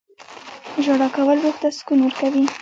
• ژړا کول روح ته سکون ورکوي.